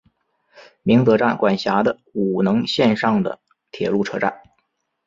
鸣泽站管辖的五能线上的铁路车站。